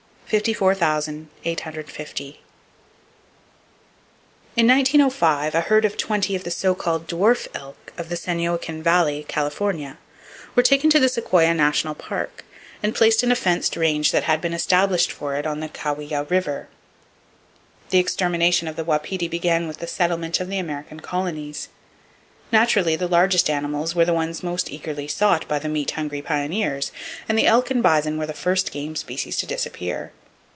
54,850 In 1905, a herd of twenty of the so called dwarf elk of the San Joaquin Valley, California, were taken to the Sequoia National Park, and placed in a fenced range that had been established for it on the Kaweah River. The extermination of the wapiti began with the settlement of the American colonies. Naturally, the largest animals were the ones most eagerly sought by the meat hungry pioneers, and the elk and bison were the first game species to disappear.